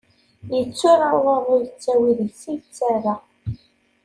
Yetturar waḍu yettawi deg-s yettara.